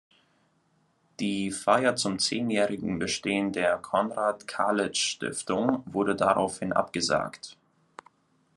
Die Feier zum zehnjährigen Bestehen der Konrad-Kaletsch-Stiftung wurde daraufhin abgesagt.